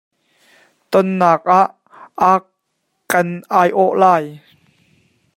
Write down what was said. Tonnak ah a kan aiawh lai.